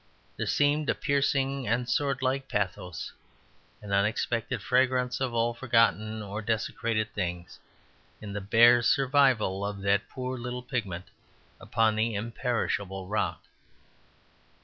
There seemed a piercing and swordlike pathos, an unexpected fragrance of all forgotten or desecrated things, in the bare survival of that poor little pigment upon the imperishable rock.